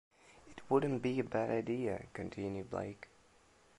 "It wouldn't be a bad idea," continued Blake.